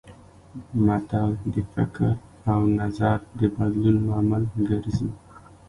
متل د فکر او نظر د بدلون لامل ګرځي